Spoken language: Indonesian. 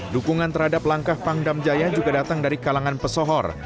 dukungan terhadap langkah pangdam jaya juga datang dari kalangan pesohor